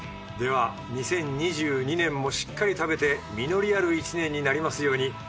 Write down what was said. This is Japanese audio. では２０２２年もしっかり食べて実りある一年になりますように。